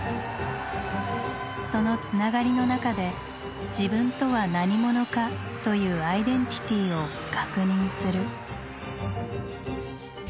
その「つながり」の中で「自分とは何者か」という「アイデンティティー」を確認する。